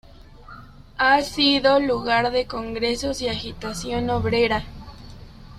Ha sido lugar de congresos y agitación obrera.